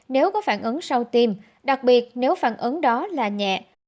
nếu có phản ứng sau tiêm đặc biệt nếu phản ứng đó là nhẹ